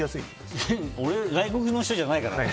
俺、外国の人じゃないからね。